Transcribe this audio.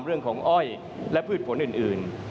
เรื่องของอ้อยและพืชผลอื่น